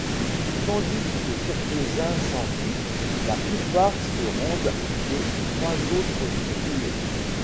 Tandis que quelques-uns s'enfuient, la plupart se rendent et trois autres sont tués.